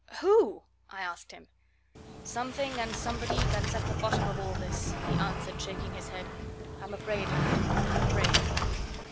who?" I asked him. "Something and somebody that's at the bottom of all this!" he answered, shaking his head. "I'm afraid, lad, I'm afraid!"